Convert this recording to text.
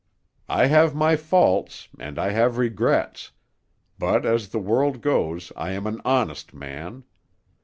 I have my faults, and I have regrets; but as the world goes I am an honest man.